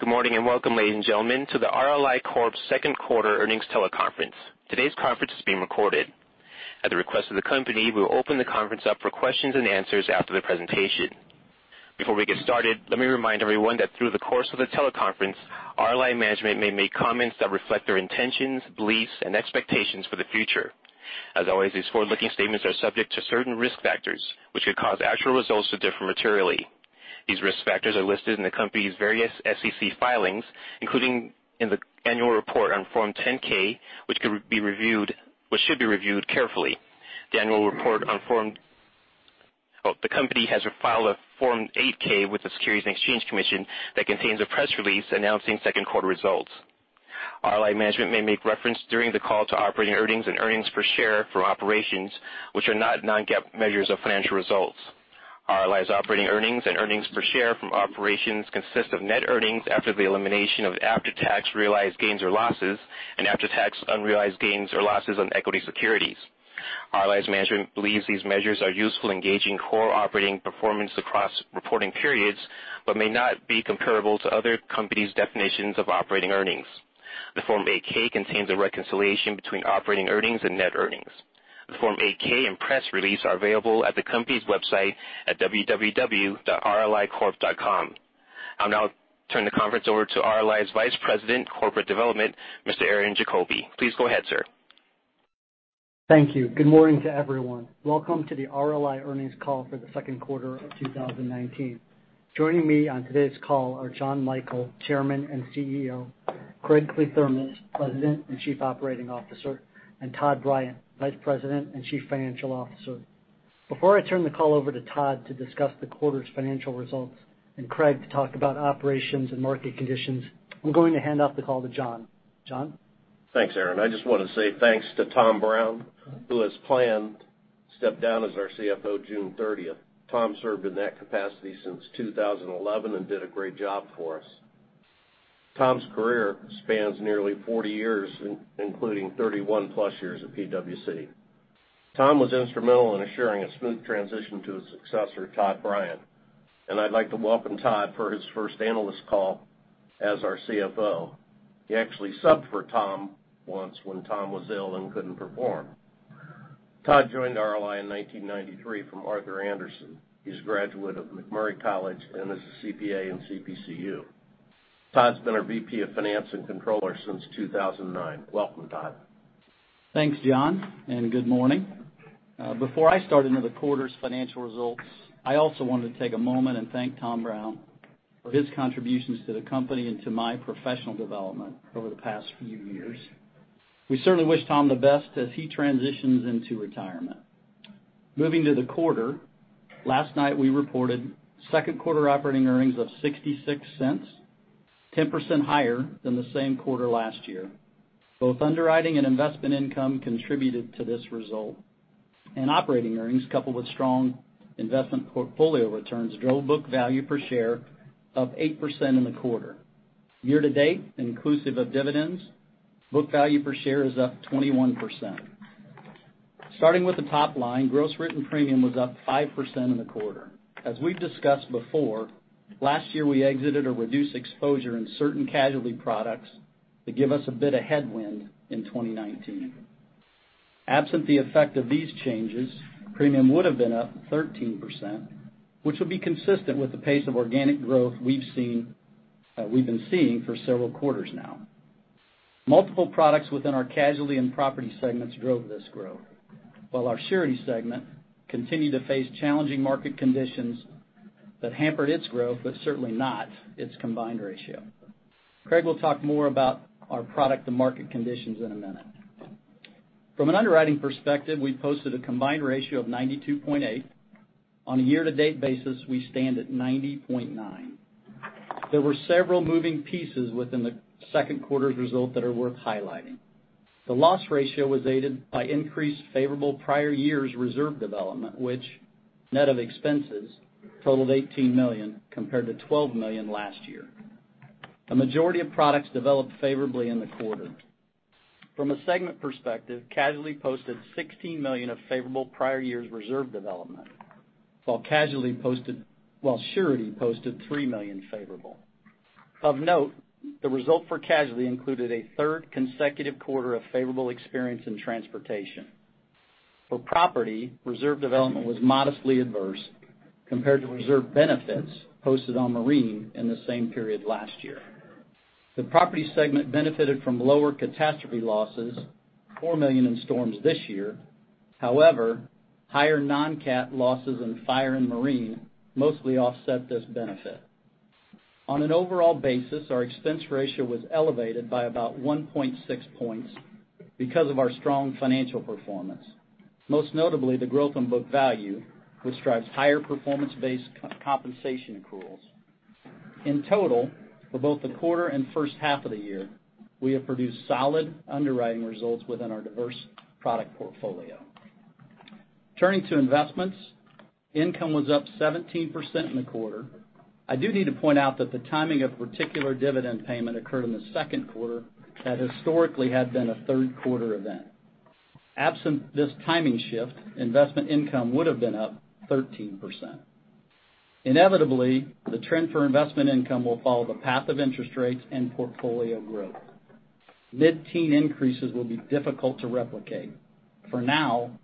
Good morning, and welcome, ladies and gentlemen, to the RLI Corp.'s second quarter earnings teleconference. Today's conference is being recorded. At the request of the company, we will open the conference up for questions and answers after the presentation. Before we get started, let me remind everyone that through the course of the teleconference, RLI management may make comments that reflect their intentions, beliefs, and expectations for the future. As always, these forward-looking statements are subject to certain risk factors, which could cause actual results to differ materially. These risk factors are listed in the company's various SEC filings, including in the annual report on Form 10-K, which should be reviewed carefully. The company has filed a Form 8-K with the Securities and Exchange Commission that contains a press release announcing second quarter results. RLI management may make reference during the call to operating earnings and earnings per share from operations which are not non-GAAP measures of financial results. RLI's operating earnings and earnings per share from operations consist of net earnings after the elimination of after-tax realized gains or losses and after-tax unrealized gains or losses on equity securities. RLI's management believes these measures are useful in gauging core operating performance across reporting periods but may not be comparable to other companies' definitions of operating earnings. The Form 8-K contains a reconciliation between operating earnings and net earnings. The Form 8-K and press release are available at the company's website at www.rlicorp.com. I'll now turn the conference over to RLI's Vice President of Corporate Development, Mr. Aaron Diefenthaler. Please go ahead, sir. Thank you. Good morning to everyone. Welcome to the RLI earnings call for the second quarter of 2019. Joining me on today's call are John Michael, Chairman and CEO; Craig Kliethermes, President and Chief Operating Officer; and Todd Bryant, Vice President and Chief Financial Officer. Before I turn the call over to Todd to discuss the quarter's financial results and Craig to talk about operations and market conditions, I'm going to hand off the call to John. John? Thanks, Aaron. I just want to say thanks to Tom Brown, who has planned to step down as our CFO June 30th. Tom served in that capacity since 2011 and did a great job for us. Tom's career spans nearly 40 years, including 31 plus years at PwC. Tom was instrumental in assuring a smooth transition to his successor, Todd Bryant, and I'd like to welcome Todd for his first analyst call as our CFO. He actually subbed for Tom once when Tom was ill and couldn't perform. Todd joined RLI in 1993 from Arthur Andersen. He's a graduate of McMurry University and is a CPA and CPCU. Todd's been our VP of Finance and Controller since 2009. Welcome, Todd. Thanks, John, good morning. Before I start into the quarter's financial results, I also wanted to take a moment and thank Tom Brown for his contributions to the company and to my professional development over the past few years. We certainly wish Tom the best as he transitions into retirement. Moving to the quarter, last night we reported second quarter operating earnings of $0.66, 10% higher than the same quarter last year. Both underwriting and investment income contributed to this result. Operating earnings, coupled with strong investment portfolio returns, drove book value per share up 8% in the quarter. Year to date, inclusive of dividends, book value per share is up 21%. Starting with the top line, gross written premium was up 5% in the quarter. As we've discussed before, last year we exited a reduced exposure in certain casualty products that give us a bit of headwind in 2019. Absent the effect of these changes, premium would've been up 13%, which will be consistent with the pace of organic growth we've been seeing for several quarters now. Multiple products within our casualty and property segments drove this growth, while our surety segment continued to face challenging market conditions that hampered its growth, but certainly not its combined ratio. Craig will talk more about our product and market conditions in a minute. From an underwriting perspective, we posted a combined ratio of 92.8. On a year-to-date basis, we stand at 90.9. There were several moving pieces within the second quarter's result that are worth highlighting. The loss ratio was aided by increased favorable prior year's reserve development, which net of expenses totaled $18 million, compared to $12 million last year. A majority of products developed favorably in the quarter. From a segment perspective, casualty posted $16 million of favorable prior year's reserve development, while surety posted $3 million favorable. Of note, the result for casualty included a third consecutive quarter of favorable experience in transportation. For property, reserve development was modestly adverse compared to reserve benefits posted on marine in the same period last year. The property segment benefited from lower catastrophe losses, $4 million in storms this year. However, higher non-cat losses in fire and marine mostly offset this benefit. On an overall basis, our expense ratio was elevated by about 1.6 points because of our strong financial performance, most notably the growth in book value, which drives higher performance-based compensation accruals. In total, for both the quarter and first half of the year, we have produced solid underwriting results within our diverse product portfolio. Turning to investments, income was up 17% in the quarter. I do need to point out that the timing of a particular dividend payment occurred in the second quarter that historically had been a third quarter event. Absent this timing shift, investment income would have been up 13%. Inevitably, the trend for investment income will follow the path of interest rates and portfolio growth. Mid-teen increases will be difficult to replicate. For now,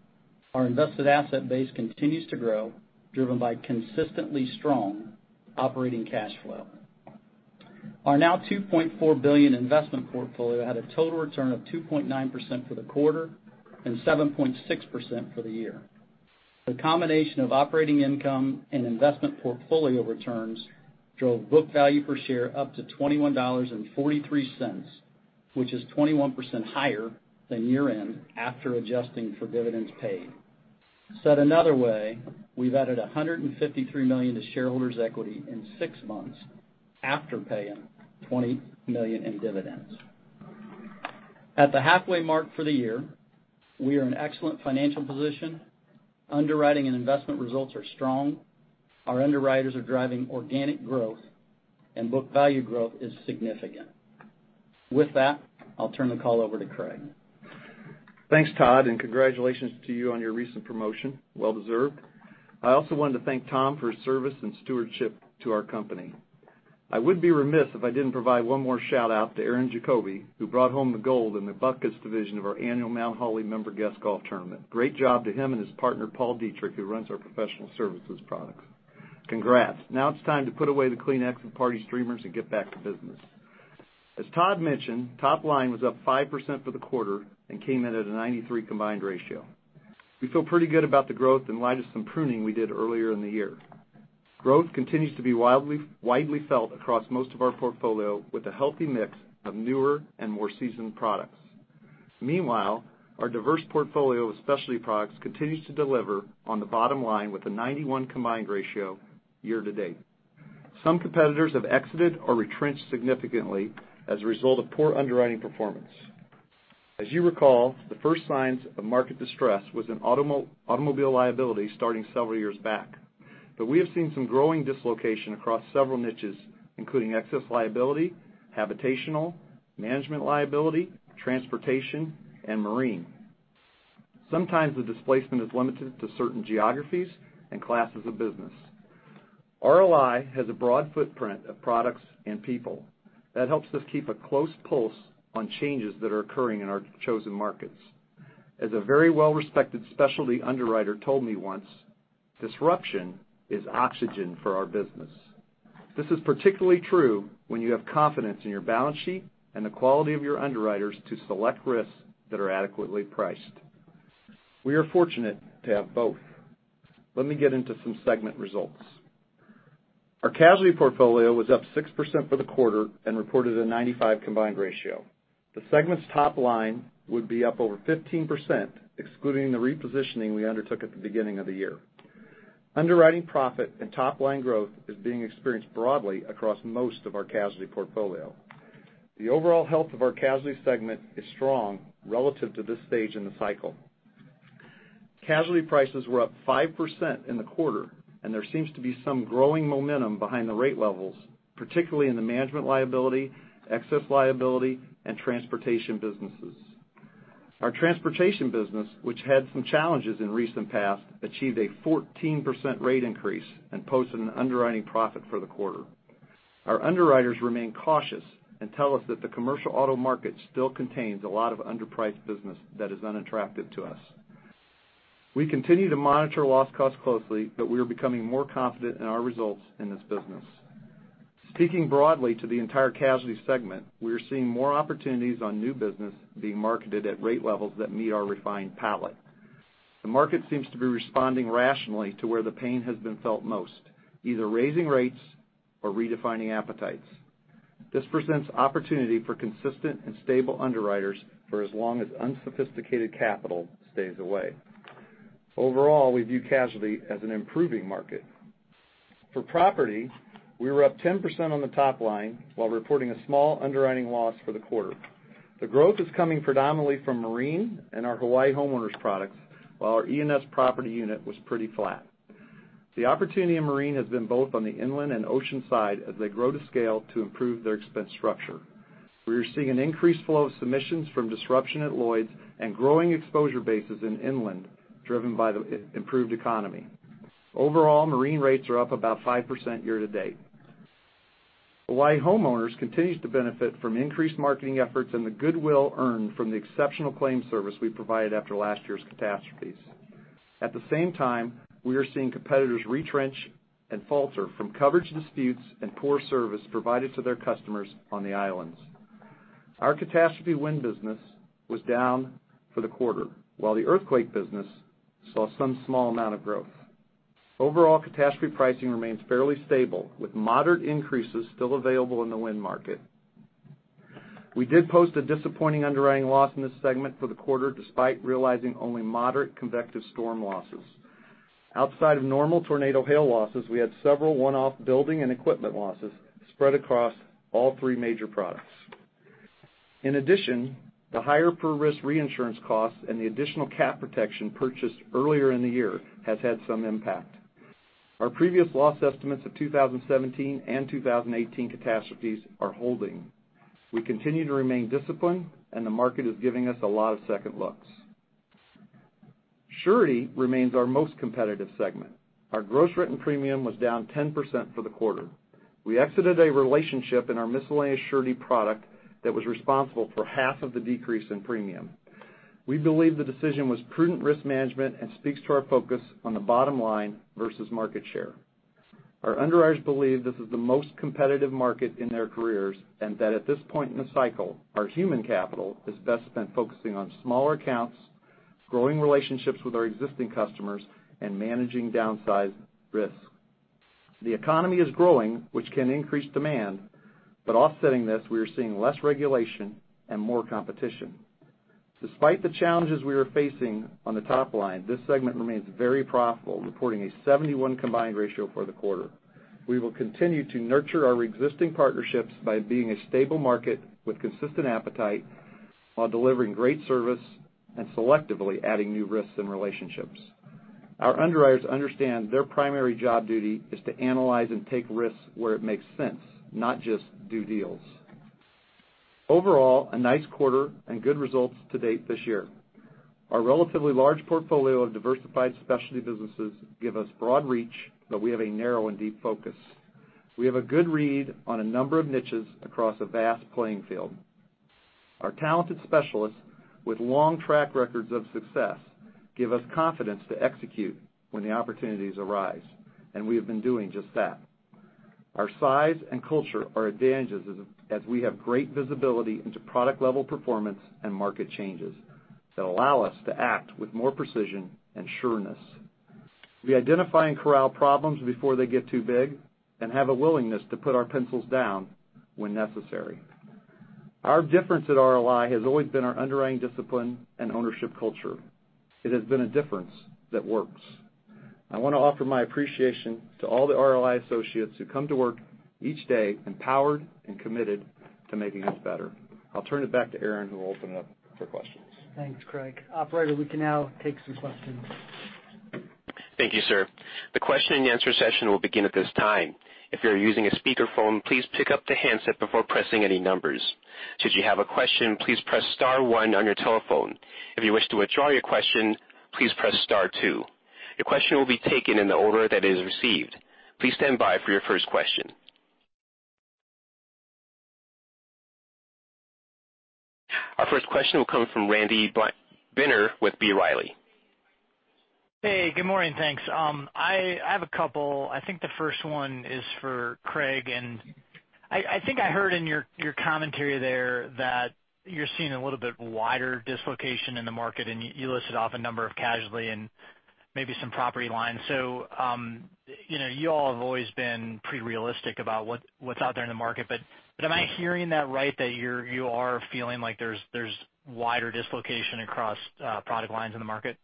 our invested asset base continues to grow, driven by consistently strong operating cash flow. Our now $2.4 billion investment portfolio had a total return of 2.9% for the quarter and 7.6% for the year. The combination of operating income and investment portfolio returns drove book value per share up to $21.43, which is 21% higher than year-end after adjusting for dividends paid. Said another way, we've added $153 million to shareholders' equity in six months after paying $20 million in dividends. At the halfway mark for the year, we are in excellent financial position. Underwriting and investment results are strong. Our underwriters are driving organic growth, and book value growth is significant. With that, I'll turn the call over to Craig. Thanks, Todd, congratulations to you on your recent promotion. Well deserved. I also wanted to thank Tom for his service and stewardship to our company. I would be remiss if I didn't provide one more shout-out to Aaron Diefenthaler, who brought home the gold in the Buckets division of our annual Mt. Hawley Member Guest Golf Tournament. Great job to him and his partner, Paul Dietrich, who runs our professional services products. Congrats. Now it's time to put away the Kleenex and party streamers and get back to business. As Todd mentioned, top line was up 5% for the quarter and came in at a 93 combined ratio. We feel pretty good about the growth in light of some pruning we did earlier in the year. Growth continues to be widely felt across most of our portfolio, with a healthy mix of newer and more seasoned products. Meanwhile, our diverse portfolio of specialty products continues to deliver on the bottom line with a 91 combined ratio year to date. Some competitors have exited or retrenched significantly as a result of poor underwriting performance. As you recall, the first signs of market distress was in automobile liability starting several years back. We have seen some growing dislocation across several niches, including excess liability, habitational, management liability, transportation, and marine. Sometimes the displacement is limited to certain geographies and classes of business. RLI has a broad footprint of products and people. That helps us keep a close pulse on changes that are occurring in our chosen markets. As a very well-respected specialty underwriter told me once, "Disruption is oxygen for our business." This is particularly true when you have confidence in your balance sheet and the quality of your underwriters to select risks that are adequately priced. We are fortunate to have both. Let me get into some segment results. Our casualty portfolio was up 6% for the quarter and reported a 95 combined ratio. The segment's top line would be up over 15%, excluding the repositioning we undertook at the beginning of the year. Underwriting profit and top-line growth is being experienced broadly across most of our casualty portfolio. The overall health of our casualty segment is strong relative to this stage in the cycle. Casualty prices were up 5% in the quarter, there seems to be some growing momentum behind the rate levels, particularly in the management liability, excess liability, and transportation businesses. Our transportation business, which had some challenges in recent past, achieved a 14% rate increase and posted an underwriting profit for the quarter. Our underwriters remain cautious and tell us that the commercial auto market still contains a lot of underpriced business that is unattractive to us. We continue to monitor loss costs closely, but we are becoming more confident in our results in this business. Speaking broadly to the entire casualty segment, we are seeing more opportunities on new business being marketed at rate levels that meet our refined palette. The market seems to be responding rationally to where the pain has been felt most, either raising rates or redefining appetites. This presents opportunity for consistent and stable underwriters for as long as unsophisticated capital stays away. Overall, we view casualty as an improving market. For property, we were up 10% on the top line while reporting a small underwriting loss for the quarter. The growth is coming predominantly from marine and our Hawaii homeowners products, while our E&S property unit was pretty flat. The opportunity in marine has been both on the inland and ocean side as they grow to scale to improve their expense structure. We are seeing an increased flow of submissions from disruption at Lloyd's and growing exposure bases in inland, driven by the improved economy. Overall, marine rates are up about 5% year to date. Hawaii homeowners continues to benefit from increased marketing efforts and the goodwill earned from the exceptional claim service we provided after last year's catastrophes. At the same time, we are seeing competitors retrench and falter from coverage disputes and poor service provided to their customers on the islands. Our catastrophe wind business was down for the quarter, while the earthquake business saw some small amount of growth. Overall catastrophe pricing remains fairly stable, with moderate increases still available in the wind market. We did post a disappointing underwriting loss in this segment for the quarter, despite realizing only moderate convective storm losses. Outside of normal tornado hail losses, we had several one-off building and equipment losses spread across all three major products. In addition, the higher per risk reinsurance costs and the additional cap protection purchased earlier in the year has had some impact. Our previous loss estimates of 2017 and 2018 catastrophes are holding. We continue to remain disciplined, and the market is giving us a lot of second looks. Surety remains our most competitive segment. Our gross written premium was down 10% for the quarter. We exited a relationship in our miscellaneous surety product that was responsible for half of the decrease in premium. We believe the decision was prudent risk management and speaks to our focus on the bottom line versus market share. Our underwriters believe this is the most competitive market in their careers, and that at this point in the cycle, our human capital is best spent focusing on smaller accounts, growing relationships with our existing customers, and managing downside risk. The economy is growing, which can increase demand, but offsetting this, we are seeing less regulation and more competition. Despite the challenges we are facing on the top line, this segment remains very profitable, reporting a 71 combined ratio for the quarter. We will continue to nurture our existing partnerships by being a stable market with consistent appetite while delivering great service and selectively adding new risks and relationships. Our underwriters understand their primary job duty is to analyze and take risks where it makes sense, not just do deals. Overall, a nice quarter and good results to date this year. Our relatively large portfolio of diversified specialty businesses give us broad reach, but we have a narrow and deep focus. We have a good read on a number of niches across a vast playing field. Our talented specialists with long track records of success give us confidence to execute when the opportunities arise. We have been doing just that. Our size and culture are advantages as we have great visibility into product-level performance and market changes that allow us to act with more precision and sureness. We identify and corral problems before they get too big and have a willingness to put our pencils down when necessary. Our difference at RLI has always been our underwriting discipline and ownership culture. It has been a difference that works. I want to offer my appreciation to all the RLI associates who come to work each day empowered and committed to making us better. I'll turn it back to Aaron, who will open it up for questions. Thanks, Craig. Operator, we can now take some questions. Thank you, sir. The question and answer session will begin at this time. If you're using a speakerphone, please pick up the handset before pressing any numbers. Should you have a question, please press star 1 on your telephone. If you wish to withdraw your question, please press star 2. Your question will be taken in the order that it is received. Please stand by for your first question. Our first question will come from Randy Binner with B. Riley. Hey, good morning. Thanks. I have a couple. I think the first one is for Craig. I think I heard in your commentary there that you're seeing a little bit wider dislocation in the market. You listed off a number of casualty and maybe some property lines. You all have always been pretty realistic about what's out there in the market. Am I hearing that right that you are feeling like there's wider dislocation across product lines in the market?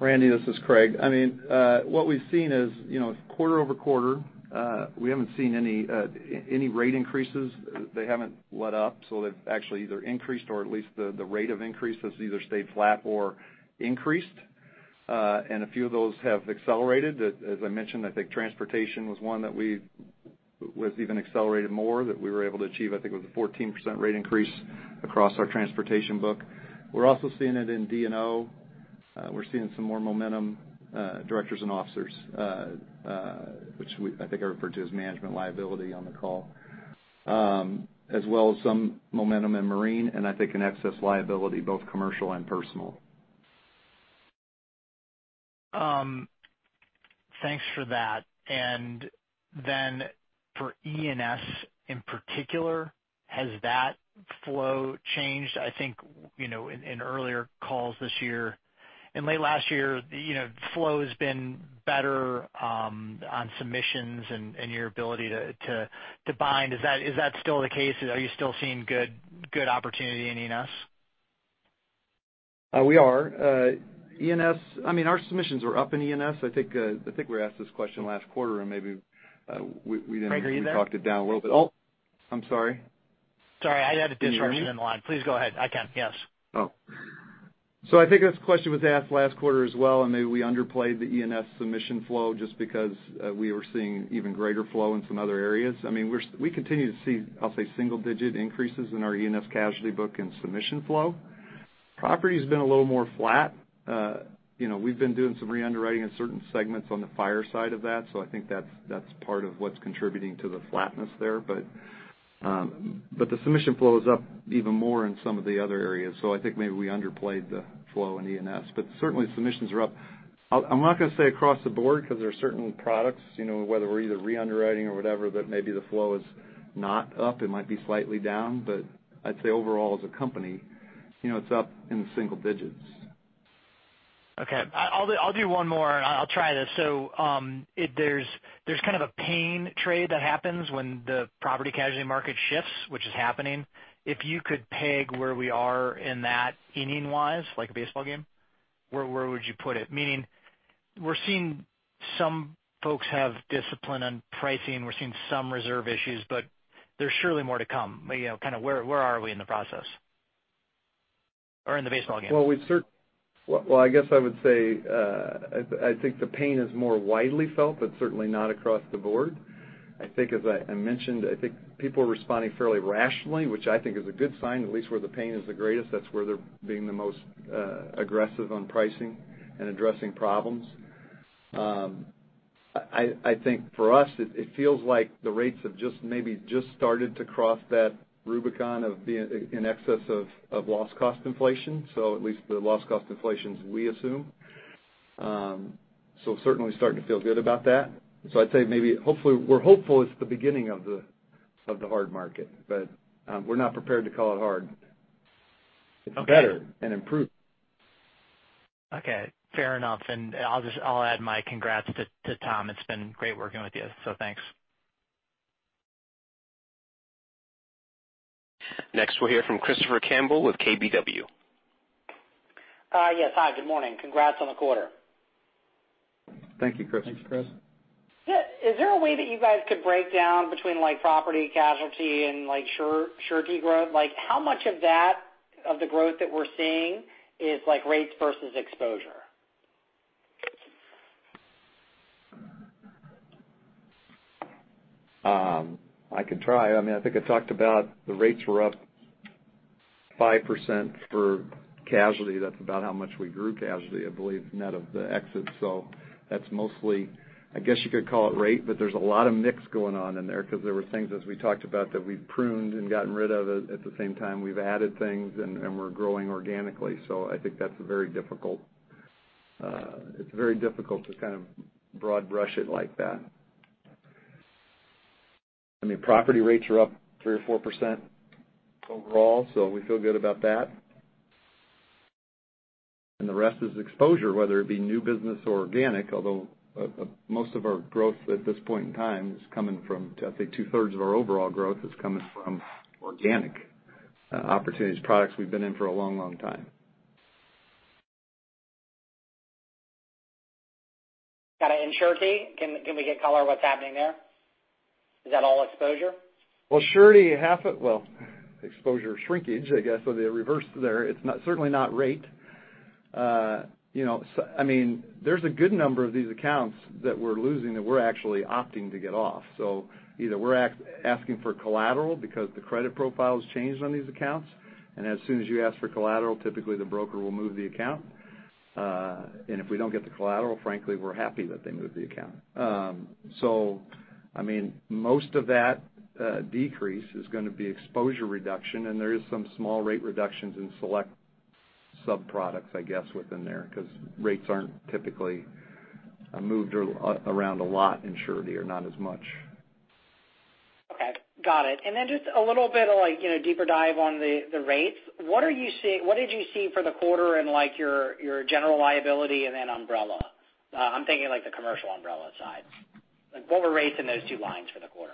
Randy, this is Craig. What we've seen is quarter-over-quarter, we haven't seen any rate increases. They haven't let up; they've actually either increased or at least the rate of increase has either stayed flat or increased. A few of those have accelerated. As I mentioned, I think transportation was one that was even accelerated more that we were able to achieve, I think it was a 14% rate increase across our transportation book. We're also seeing it in D&O. We're seeing some more momentum, directors and officers, which I think I referred to as management liability on the call, as well as some momentum in marine and I think in excess liability, both commercial and personal. Thanks for that. For E&S in particular, has that flow changed? I think, in earlier calls this year and late last year, the flow has been better on submissions and your ability to bind. Is that still the case? Are you still seeing good opportunity in E&S? We are. Our submissions were up in E&S. I think we were asked this question last quarter. Craig, are you there? talked it down a little bit. I'm sorry. Sorry, I had a disruption in the line. Please go ahead. I can. Yes. I think this question was asked last quarter as well, and maybe we underplayed the E&S submission flow just because we were seeing even greater flow in some other areas. We continue to see, I'll say, single-digit increases in our E&S casualty book and submission flow. Property's been a little more flat. We've been doing some re-underwriting in certain segments on the fire side of that, I think that's part of what's contributing to the flatness there. The submission flow is up even more in some of the other areas. I think maybe we underplayed the flow in E&S, but certainly submissions are up. I'm not going to say across the board because there are certain products, whether we're either re-underwriting or whatever, that maybe the flow is not up. It might be slightly down. I'd say overall as a company, it's up in the single digits. Okay. I'll do one more, and I'll try this. There's kind of a pain trade that happens when the property casualty market shifts, which is happening. If you could peg where we are in that inning-wise, like a baseball game, where would you put it? Meaning we're seeing some folks have discipline on pricing. We're seeing some reserve issues, but there's surely more to come. Where are we in the process? Or in the baseball game. I guess I would say, I think the pain is more widely felt, but certainly not across the board. I think, as I mentioned, I think people are responding fairly rationally, which I think is a good sign. At least where the pain is the greatest, that's where they're being the most aggressive on pricing and addressing problems. I think for us, it feels like the rates have just maybe just started to cross that Rubicon of being in excess of loss cost inflation. At least the loss cost inflations we assume. Certainly starting to feel good about that. I'd say maybe hopefully we're hopeful it's the beginning of the hard market, but we're not prepared to call it hard. Okay. It's better and improved. Okay, fair enough. I'll add my congrats to Tom. It's been great working with you, thanks. Next, we'll hear from Christopher Campbell with KBW. Yes, hi, good morning. Congrats on the quarter. Thank you, Chris. Thanks, Chris. Is there a way that you guys could break down between property casualty and surety growth? How much of the growth that we're seeing is rates versus exposure? I can try. I think I talked about the rates were up 5% for casualty. That's about how much we grew casualty, I believe, net of the exits. That's mostly, I guess you could call it rate, but there's a lot of mix going on in there because there were things as we talked about that we've pruned and gotten rid of. At the same time, we've added things, and we're growing organically. I think that's very difficult. It's very difficult to kind of broad brush it like that. Property rates are up 3% or 4% overall. We feel good about that. The rest is exposure, whether it be new business or organic, although most of our growth at this point in time is coming from, I think two-thirds of our overall growth is coming from organic opportunities, products we've been in for a long, long time. Got it. Surety, can we get color what's happening there? Is that all exposure? Well, surety, well, exposure shrinkage, I guess, the reverse there. It's certainly not rate. There is a good number of these accounts that we're losing that we're actually opting to get off. Either we're asking for collateral because the credit profile's changed on these accounts, and as soon as you ask for collateral, typically the broker will move the account. If we don't get the collateral, frankly, we're happy that they move the account. Most of that decrease is going to be exposure reduction, and there is some small rate reductions in select sub-products, I guess, within there, because rates aren't typically moved around a lot in surety or not as much. Okay. Got it. Just a little bit of deeper dive on the rates. What did you see for the quarter in your general liability and then umbrella? I'm thinking like the commercial umbrella side. What were rates in those two lines for the quarter?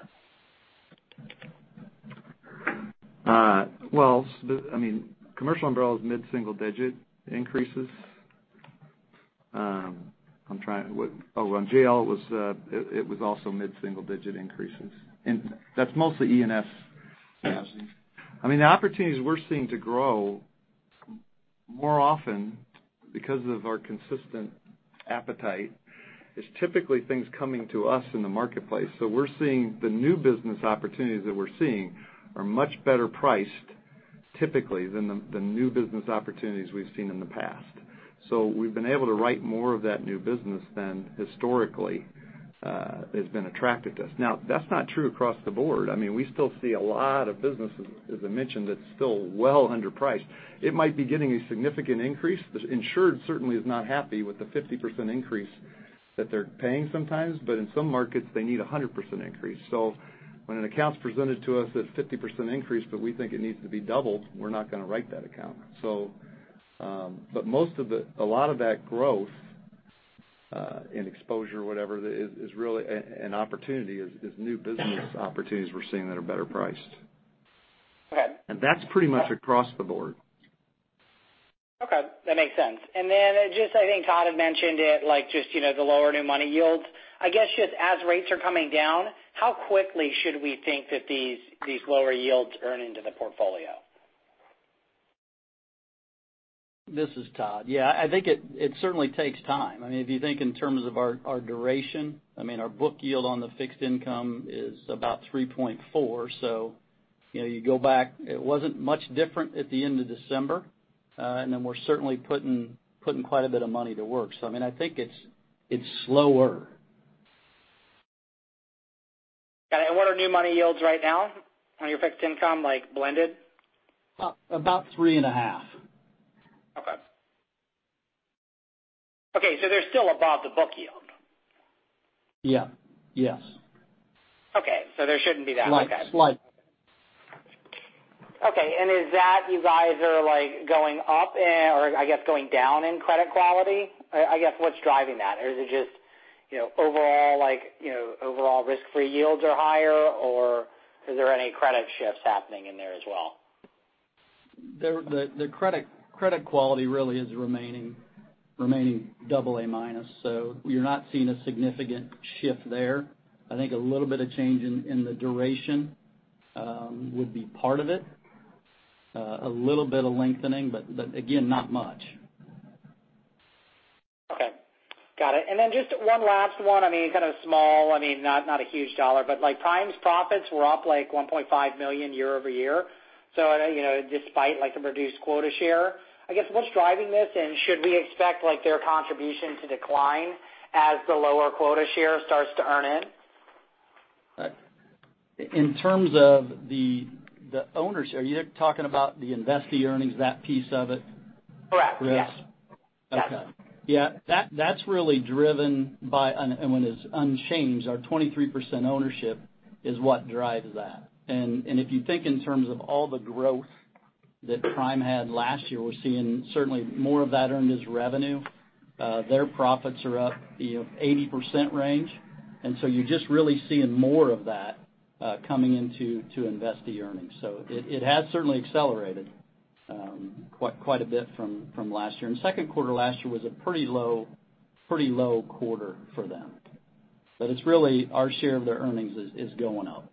Well, commercial umbrella is mid-single digit increases. On GL, it was also mid-single digit increases. That's mostly E&S. The opportunities we're seeing to grow more often because of our consistent appetite is typically things coming to us in the marketplace. We're seeing the new business opportunities that we're seeing are much better priced typically than the new business opportunities we've seen in the past. We've been able to write more of that new business than historically has been attracted to us. Now, that's not true across the board. We still see a lot of businesses, as I mentioned, that's still well underpriced. It might be getting a significant increase, but the insured certainly is not happy with the 50% increase that they're paying sometimes. In some markets, they need 100% increase. When an account's presented to us at 50% increase, we think it needs to be doubled, we're not going to write that account. A lot of that growth in exposure, whatever, is really an opportunity, is new business opportunities we're seeing that are better priced. Okay. That's pretty much across the board. Okay. That makes sense. Just I think Todd had mentioned it, just the lower new money yields. I guess just as rates are coming down, how quickly should we think that these lower yields earn into the portfolio? This is Todd. Yeah, I think it certainly takes time. If you think in terms of our duration, our book yield on the fixed income is about 3.4. You go back, it wasn't much different at the end of December. We're certainly putting quite a bit of money to work. I think it's slower. Got it. What are new money yields right now on your fixed income, like blended? About three and a half. Okay. Okay, they're still above the book yield. Yeah. Yes. Okay. There shouldn't be that. Slight. Okay. Is that you guys are going up or I guess going down in credit quality? I guess what's driving that? Is it just overall risk-free yields are higher, is there any credit shifts happening in there as well? The credit quality really is remaining double A minus. We are not seeing a significant shift there. I think a little bit of change in the duration would be part of it. A little bit of lengthening, again, not much. Okay. Got it. Just one last one. Kind of small, not a huge dollar, Prime's profits were up $1.5 million year-over-year. Despite the reduced quota share. I guess, what's driving this? Should we expect their contribution to decline as the lower quota share starts to earn in? In terms of the owner's share, you're talking about the investee earnings, that piece of it? Correct. Yes. Okay. Yeah. That's really driven by, when it's unchanged, our 23% ownership is what drives that. If you think in terms of all the growth that Prime had last year, we're seeing certainly more of that earned as revenue. Their profits are up 80% range. You're just really seeing more of that coming into investee earnings. It has certainly accelerated quite a bit from last year. Second quarter last year was a pretty low quarter for them. It's really our share of their earnings is going up.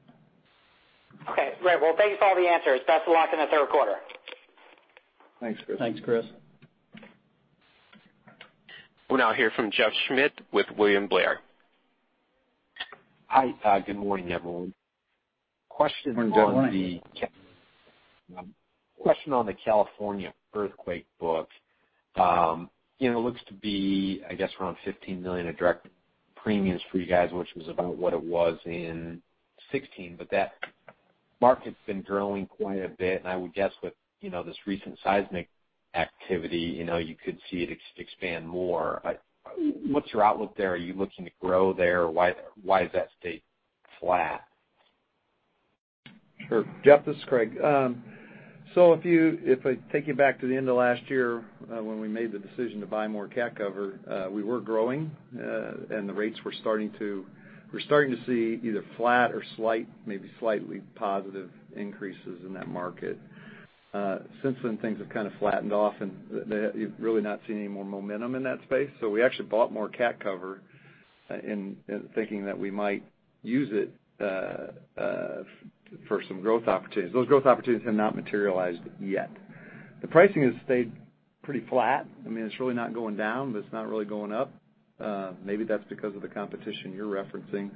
Okay. Right. Well, thank you for all the answers. Best of luck in the third quarter. Thanks, Chris. Thanks, Chris. We'll now hear from Jeff Schmitt with William Blair. Hi, good morning, everyone. Good morning. Question on the California earthquake book. It looks to be, I guess around $15 million of direct premiums for you guys, which was about what it was in 2016. That market's been growing quite a bit, I would guess with this recent seismic activity, you could see it expand more. What's your outlook there? Are you looking to grow there? Why is that state flat? Sure. Jeff, this is Craig. If I take you back to the end of last year when we made the decision to buy more catastrophe cover, we were growing. The rates were starting to see either flat or maybe slightly positive increases in that market. Things have kind of flattened off, you've really not seen any more momentum in that space. We actually bought more catastrophe cover in thinking that we might use it for some growth opportunities. Those growth opportunities have not materialized yet. The pricing has stayed pretty flat. It's really not going down, it's not really going up. Maybe that's because of the competition you're referencing.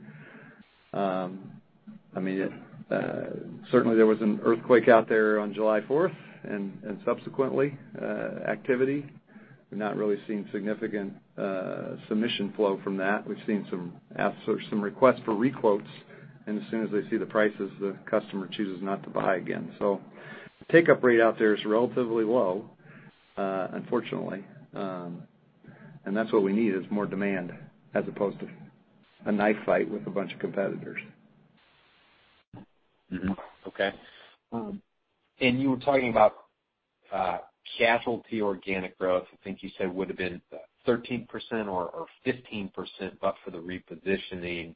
There was an earthquake out there on July 4th and subsequently activity. We're not really seeing significant submission flow from that. We've seen some requests for re-quotes. As soon as they see the prices, the customer chooses not to buy again. The take-up rate out there is relatively low, unfortunately. That's what we need is more demand as opposed to a knife fight with a bunch of competitors. Mm-hmm. Okay. You were talking about casualty organic growth. I think you said would've been 13% or 15%, but for the repositioning.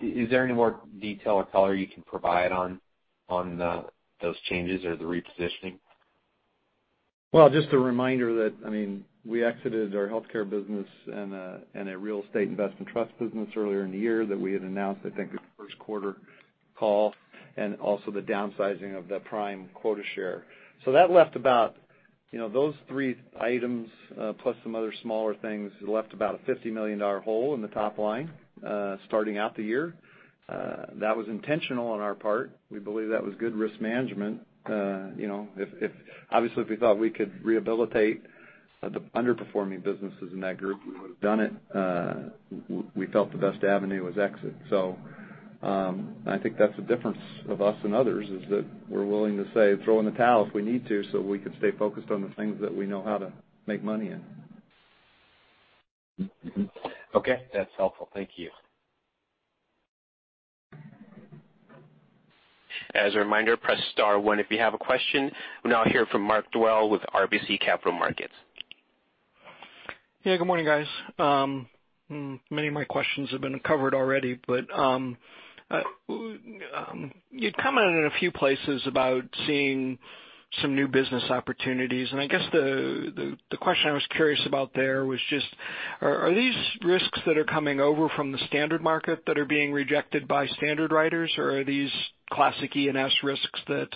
Is there any more detail or color you can provide on those changes or the repositioning? Well, just a reminder that we exited our healthcare business and a real estate investment trust business earlier in the year that we had announced, I think, the first quarter call, and also the downsizing of the Prime quota share. Those three items, plus some other smaller things, left about a $50 million hole in the top line, starting out the year. That was intentional on our part. We believe that was good risk management. Obviously, if we thought we could rehabilitate the underperforming businesses in that group, we would've done it. We felt the best avenue was exit. I think that's the difference of us and others is that we're willing to say throw in the towel if we need to so we can stay focused on the things that we know how to make money in. Mm-hmm. Okay. That's helpful. Thank you. As a reminder, press star one if you have a question. We'll now hear from Mark Dwelle with RBC Capital Markets. Good morning, guys. Many of my questions have been covered already, you'd commented in a few places about seeing some new business opportunities, I guess the question I was curious about there was just, are these risks that are coming over from the standard market that are being rejected by standard writers, or are these classic E&S risks that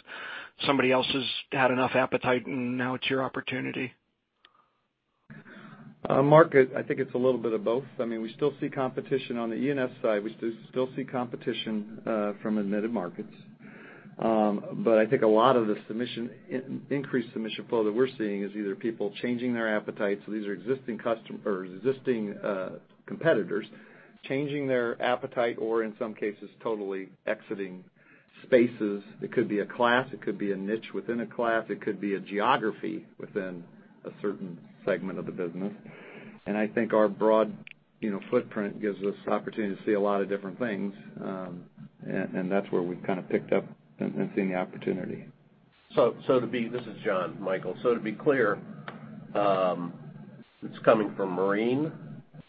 somebody else has had enough appetite and now it's your opportunity? Mark, I think it's a little bit of both. We still see competition on the E&S side. We still see competition from admitted markets. I think a lot of the increased submission flow that we're seeing is either people changing their appetite, so these are existing competitors changing their appetite or in some cases, totally exiting spaces. It could be a class, it could be a niche within a class, it could be a geography within a certain segment of the business. I think our broad footprint gives us opportunity to see a lot of different things, and that's where we've kind of picked up and seen the opportunity. This is Jonathan Michael. To be clear, it's coming from marine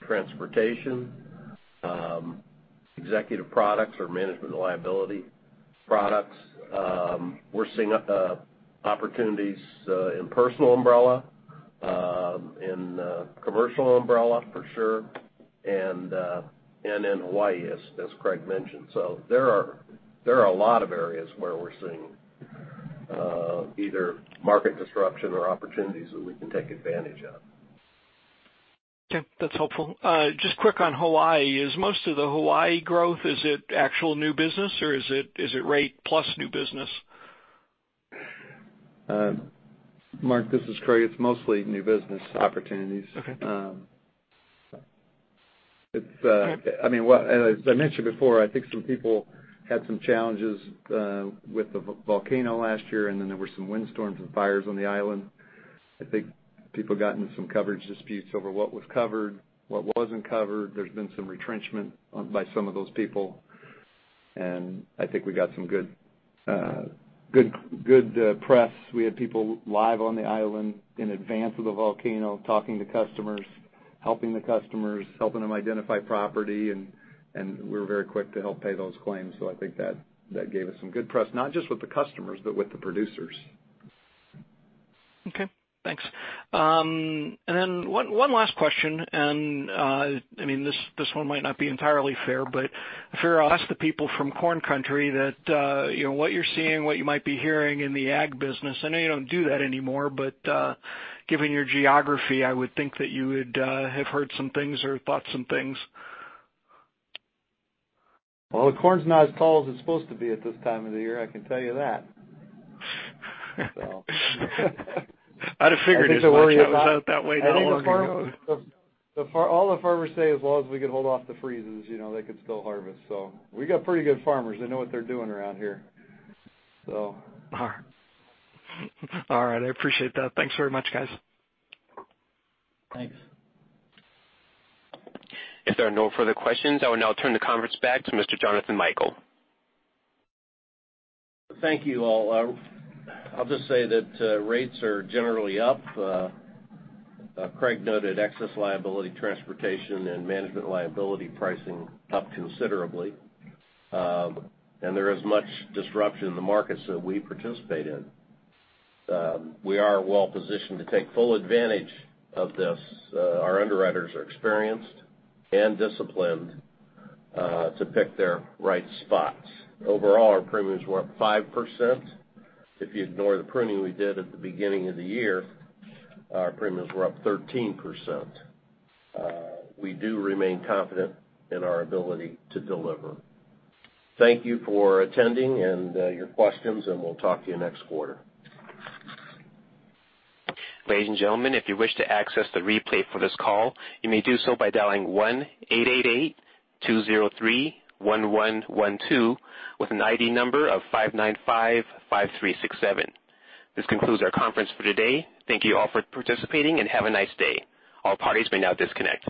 transportation Executive products or management liability products. We're seeing opportunities in personal umbrella, in commercial umbrella for sure, and in Hawaii, as Craig mentioned. There are a lot of areas where we're seeing either market disruption or opportunities that we can take advantage of. That's helpful. Just quick on Hawaii, is most of the Hawaii growth, is it actual new business or is it rate plus new business? Mark, this is Craig. It's mostly new business opportunities. Okay. As I mentioned before, I think some people had some challenges with the volcano last year. There were some windstorms and fires on the island. I think people got into some coverage disputes over what was covered, what wasn't covered. There's been some retrenchment by some of those people. I think we got some good press. We had people live on the island in advance of the volcano, talking to customers, helping the customers, helping them identify property, and we were very quick to help pay those claims. I think that gave us some good press, not just with the customers, but with the producers. Okay, thanks. One last question, and this one might not be entirely fair, but I figure I'll ask the people from corn country that what you're seeing, what you might be hearing in the ag business. I know you don't do that anymore, but given your geography, I would think that you would have heard some things or thought some things. Well, the corn's not as tall as it's supposed to be at this time of the year, I can tell you that. I'd have figured as much. I was out that way not long ago. All the farmers say as long as we can hold off the freezes, they could still harvest. We got pretty good farmers. They know what they're doing around here. All right. I appreciate that. Thanks very much, guys. Thanks. If there are no further questions, I will now turn the conference back to Mr. Jonathan Michael. Thank you, all. I'll just say that rates are generally up. Craig noted excess liability, transportation, and management liability pricing up considerably. There is much disruption in the markets that we participate in. We are well-positioned to take full advantage of this. Our underwriters are experienced and disciplined to pick their right spots. Overall, our premiums were up 5%. If you ignore the pruning we did at the beginning of the year, our premiums were up 13%. We do remain confident in our ability to deliver. Thank you for attending and your questions, and we'll talk to you next quarter. Ladies and gentlemen, if you wish to access the replay for this call, you may do so by dialing 1-888-203-1112 with an ID number of 5955367. This concludes our conference for today. Thank you all for participating and have a nice day. All parties may now disconnect.